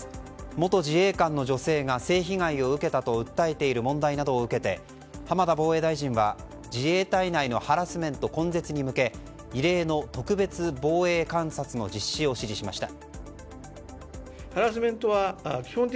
元自衛官の女性が性被害を受けたと訴えている問題などを受けて浜田防衛大臣は、自衛隊内のハラスメント根絶に向け異例の特別防衛監察の実施を指示しました。